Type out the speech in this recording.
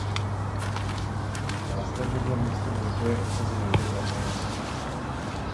Následně bylo město bez boje obsazeno Rudou armádou.